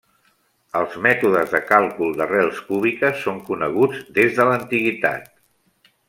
Els mètodes de càlcul d'arrels cúbiques són coneguts des de l'antiguitat.